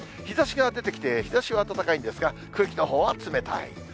日ざしが出てきて、日ざしは暖かいんですが、空気のほうは冷たい。